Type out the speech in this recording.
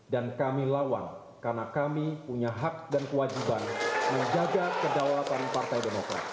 dan kami lawan karena kami punya hak dan kewajiban menjaga kedaulatan partai demokrat